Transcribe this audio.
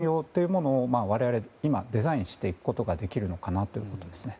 こういった運用というものを我々、今デザインしていくことができるのかなということですね。